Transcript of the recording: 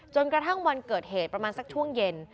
จนกระทั่งวันเกิดเหตุประมาณสักช่วงเย็น